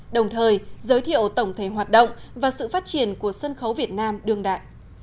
đồng thời giới thiệu tổng thể hoạt động và sự phát triển của sân khấu việt nam đương đại